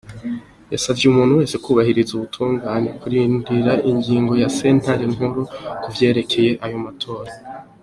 Yasavye umuntu wese kwubahiriza ubutungane no kurindira ingingo ya sentare nkuru kuvyerekeye ayo matora.